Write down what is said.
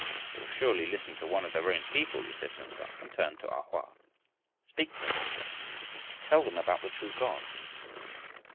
"They will surely listen to one of their own people," he said to himself, and turned to A Hoa. "Speak to them," he said. "Tell them about the true God."